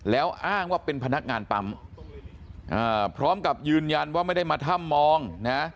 แล้วอ้างว่าเป็นพนักงานปั๊มพร้อมกับยืนยันว่าไม่ได้มาถ้ำมองนะ